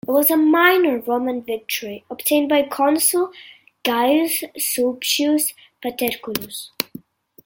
It was a minor Roman victory, obtained by consul Gaius Sulpicius Paterculus.